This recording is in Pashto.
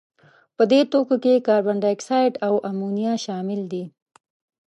په دې توکو کې کاربن دای اکساید او امونیا شامل دي.